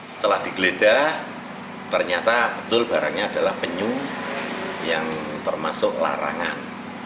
setelah digeledah ternyata betul barangnya adalah penyu yang termasuk larangan